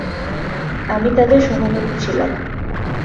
আমি তাদের সভাপতি ছিলাম।